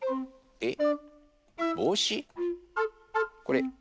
えっ？